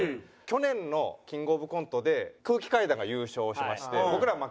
去年のキングオブコントで空気階段が優勝しまして僕ら負けちゃったんですけど。